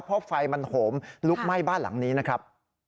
เพราะไฟมันโหมลุกไหม้บ้านหลังนี้นะครับ